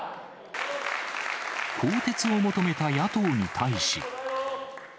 更迭を求めた野党に対し。